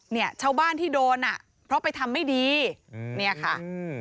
เนี่ยชาวบ้านที่โดนอ่ะเพราะไปทำไม่ดีอืมเนี่ยค่ะอืม